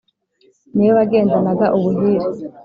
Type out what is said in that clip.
Ni we wagendanaga ubuhire